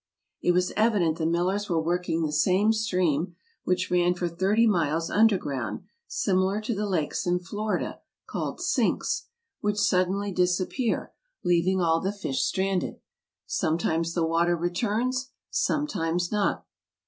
It was evident the millers were working the same stream, which ran for thirty miles underground, similar to the lakes in Florida, called sinks, 62 AMERICA 63 which suddenly disappear, leaving all the fish stranded. Sometimes the water returns, sometimes not.